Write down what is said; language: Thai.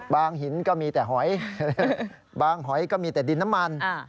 หินก็มีแต่หอยบางหอยก็มีแต่ดินน้ำมัน